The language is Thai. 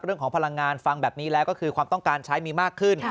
พลังงานฟังแบบนี้แล้วก็คือความต้องการใช้มีมากขึ้น